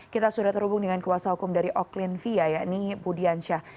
kita sudah terhubung dengan kuasa hukum dari oklin via yakni budiansyah